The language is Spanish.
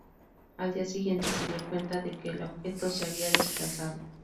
Al día siguiente se dio cuenta de que el objeto se había desplazado.